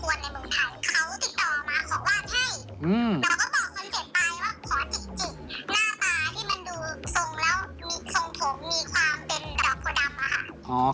หน้าตาที่มันดูทรงแล้วมีทรงผมมีความเป็นดอกโภดำ